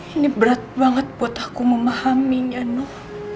ini berat banget buat aku memahaminya no